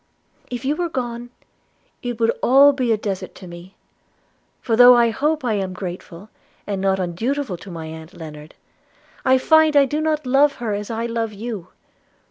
If you were gone, it would be all a desert to me; for, though I hope I am grateful, and not undutiful to my aunt Lennard, I find I do not love her as I love you.